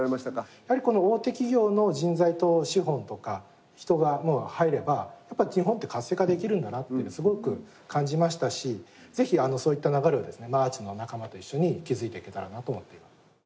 やはりこの大手企業の人材と資本とか人が入ればやっぱり基本活性化できるんだなってすごく感じましたしぜひそういった流れをですねＡＲＣＨの仲間と一緒に築いていけたらなと思っています。